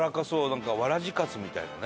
なんかわらじカツみたいなね。